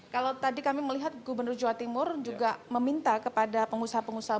kalau tadi kami melihat gubernur jawa timur juga meminta kepada pengusaha pengusaha